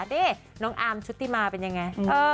นี่น้องอาร์มชุติมาเป็นยังไง